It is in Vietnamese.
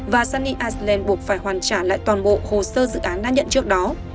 và sunny iceland buộc phải hoàn trả lại toàn bộ hồ sơ dự án đã nhận trước đó